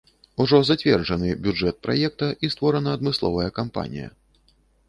Ужо зацверджаны бюджэт праекта і створана адмысловая кампанія.